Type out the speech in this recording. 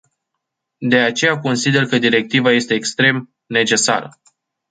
De aceea consider că directiva este extrem necesară.